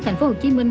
thành phố hồ chí minh